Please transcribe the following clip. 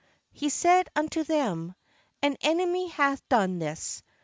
He said unto them : "An enemy hath done this."